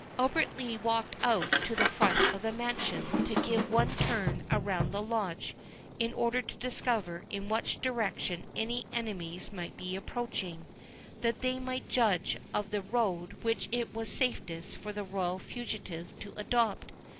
Albert Lee walked out to the front of the mansion, to give one turn around the Lodge, in order to discover in what direction any enemies might be approaching, that they might judge of the road which it was safest for the royal fugitive to adopt.